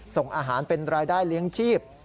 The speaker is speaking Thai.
ส่งอาหารเป็นรายได้เลี้ยงชีพ